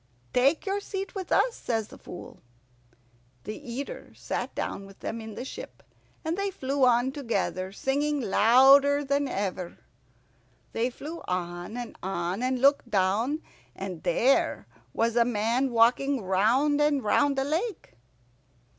"Take your seat with us," says the Fool. The Eater sat down with them in the ship, and they flew on together, singing louder than ever. They flew on and on, and looked down, and there was a man walking round and round a lake.